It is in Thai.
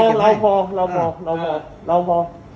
เราพอ